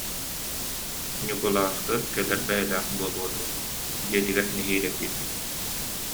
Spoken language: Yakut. Ньукулааскы кэлэр бэйэлээх буолуо дуо, дьиэтигэр нэһиилэ киирбит